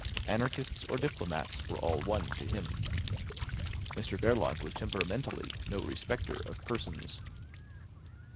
Anarchists or diplomats were all one to him. Mr Verloc was temperamentally no respecter of persons.